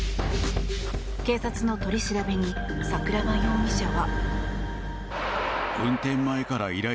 警察の取り調べに桜庭容疑者は。